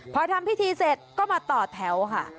พอทำพิธีเสร็จก็มาต่อแถวค่ะ